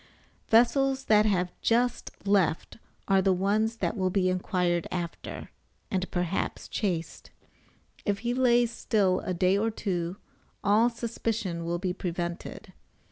Vessels that have just left are the ones that will be inquired after, and perhaps chased. If he lays still a day or two all suspicion will be prevented.